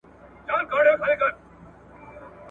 ستا د تروم له بد شامته جنګېدله ..